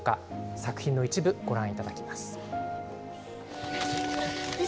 作品の一部ご覧いただきます。